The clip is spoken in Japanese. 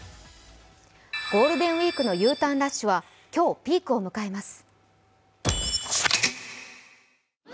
ゴールデンウイークのＵターンラッシュは今日ピークを迎えます。